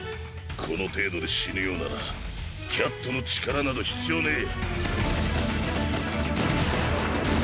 この程度で死ぬようならキャットの力など必要ねえ。